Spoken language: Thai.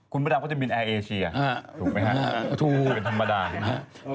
คุณประดับก็จะบินแอร์เอเชียร์ถูกไหมฮะเป็นธรรมดาถูกไหมฮะ